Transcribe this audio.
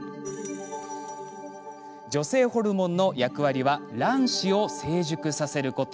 女性ホルモンの役割は卵子を成熟させること。